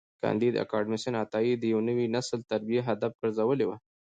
کانديد اکاډميسن عطایي د نوي نسل تربیه هدف ګرځولي وه.